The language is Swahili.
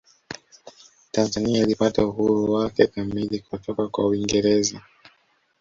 tanzania ilipata uhuru wake kamili kutoka kwa uingereza